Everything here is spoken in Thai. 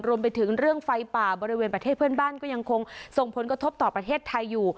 รวมไปถึงเรื่องไฟป่าบริเวณประเทศเพื่อนบ้านก็ยังคงส่งผลกระทบต่อประเทศไทยอยู่